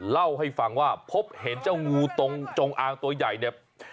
เล่าให้ฟังว่าพบเห็นเจ้างูตรงจงอางตัวใหญ่เนี่ย